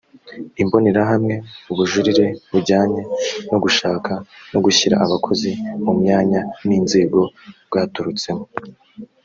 imbonerahamwe ubujurire bujyanye no gushaka no gushyira abakozi mu myanya n inzego bwaturutsemo